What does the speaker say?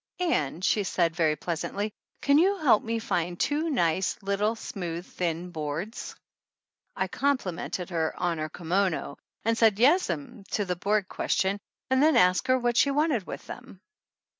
"Ann," she said, very pleasantly, "can you help me find two nice, little, smooth, thin boards ?" I complimented her on her kimono and said yes'm to the board question, then asked her what she wanted with them.